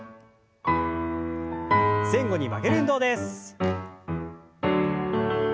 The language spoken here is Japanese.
前後に曲げる運動です。